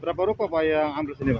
berapa rupa pak yang ambil sini pak